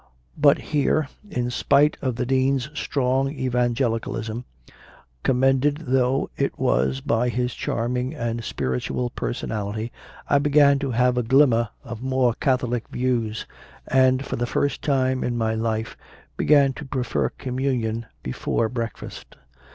But here, in spite of the Dean s strong Evangelical ism, commended though it was by his charming and spiritual personality, I began to have a glim mer of more Catholic views, and, for the first time in my life, began to prefer Communion before breakfast.